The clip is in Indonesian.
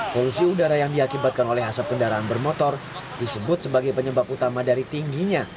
polusi udara yang diakibatkan oleh asap kendaraan bermotor disebut sebagai penyebab utama dari tingginya